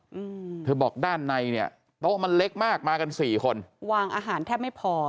อืมเธอบอกด้านในเนี้ยโต๊ะมันเล็กมากมากันสี่คนวางอาหารแทบไม่พอ